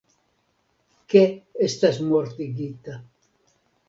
Ke estas mortigita.